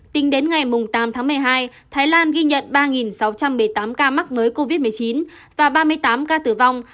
tính đến ngày tám tháng một mươi hai thái lan ghi nhận ba sáu trăm một mươi tám ca mắc mới covid một mươi chín và ba mươi tám ca tử vong